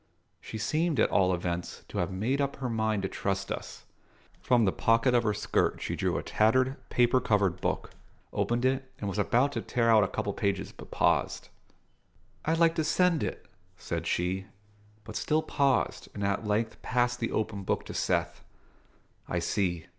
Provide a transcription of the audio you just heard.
She seemed, at all events, to have made up her mind to trust us. From the pocket of her skirt she drew a tattered, paper covered book, opened it, and was about to tear out a couple of pages, but paused. "I'd like to send it," said she; but still paused, and at length passed the open book to Seth. "I see."